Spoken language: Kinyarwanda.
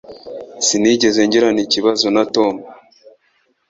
Sinigeze ngirana ikibazo na Tom